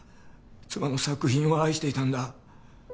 妻の作品を愛していたんだ。